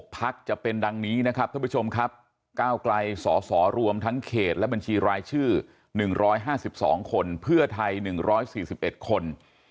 พักจะเป็นดังนี้นะครับท่านผู้ชมครับก้าวไกลสสรวมทั้งเขตและบัญชีรายชื่อ๑๕๒คนเพื่อไทย๑๔๑คน